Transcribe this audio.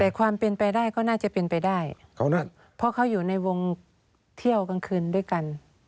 แต่ความเป็นไปได้ก็น่าจะเป็นไปได้เพราะเขาอยู่ในวงเที่ยวกลางคืนด้วยกัน